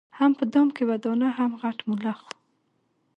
هم په دام کي وه دانه هم غټ ملخ وو